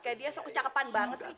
kayak dia sok kecapean banget sih